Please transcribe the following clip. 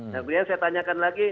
kemudian saya tanyakan lagi